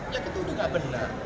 itu tidak benar